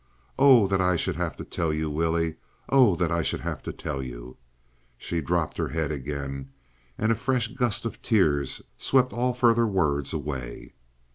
"Oh that I should have to tell you, Willie! Oh that I should have to tell you!" She dropped her head again, and a fresh gust of tears swept all further words away.